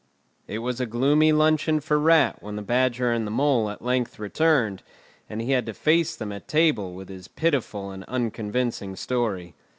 It was a gloomy luncheon for Rat when the Badger and the Mole at length returned, and he had to face them at table with his pitiful and unconvincing story.